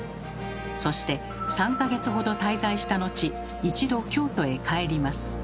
そして３か月ほど滞在したのち一度京都へ帰ります。